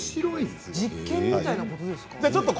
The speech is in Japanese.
実験みたいなことですか？